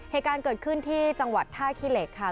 เหตุการณ์เกิดขึ้นที่จังหวัดท่าขี้เหล็กค่ะ